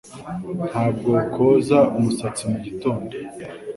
Ntabwo koza umusatsi mugitondo